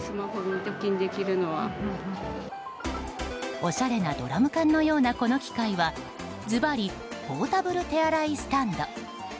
おしゃれなドラム缶のようなこの機械はずばりポータブル手洗いスタンド。